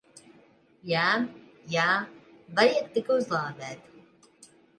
Jā. Jā. Vajag tik uzlādēt.